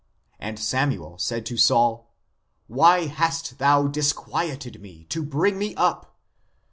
And Samuel said to Saul, Why hast thou disquieted me, to bring me up